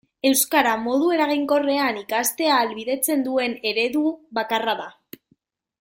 Euskara modu eraginkorrean ikastea ahalbidetzen duen eredu bakarra da.